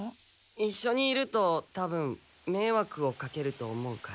いっしょにいるとたぶんめいわくをかけると思うから。